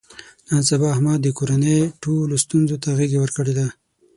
نن سبا احمد د کورنۍ ټولو ستونزو ته غېږه ورکړې ده.